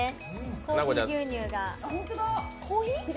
コーヒー牛乳が。